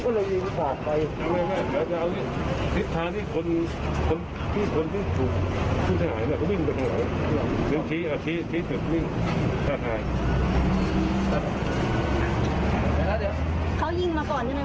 ก็ได้รู้สึกว่ามันกลายเป้าหมายและมันกลายเป้าหมาย